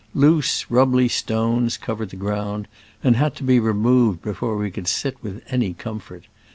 Loose, rubbly stones covered the ground, and had to be removed before we could sit with any comfort.